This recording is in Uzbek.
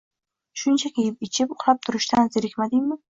Shunchaki yeb-ichib, uxlab turishdan zerikmadingmi?